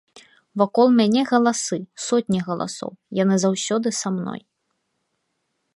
Вакол мяне галасы, сотні галасоў, яны заўсёды са мной.